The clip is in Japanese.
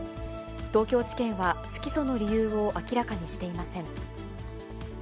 東京地検は、不起訴の理由を明らかにしていません。